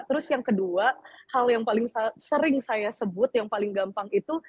terus yang kedua hal yang paling sering saya sebut yang paling gampang itu